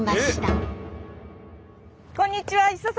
あっこんにちは。